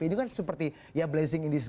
ini kan seperti ya blazing indonesia